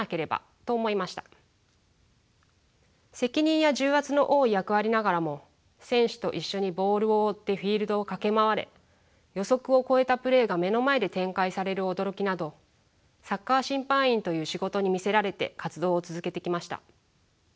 責任や重圧の多い役割ながらも選手と一緒にボールを追ってフィールドを駆け回れ予測を超えたプレーが目の前で展開される驚きなどサッカー審判員という仕事に魅せられて活動を続けてきました。